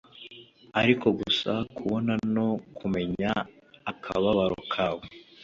ariko gusa kubona no kumenya akababaro kawe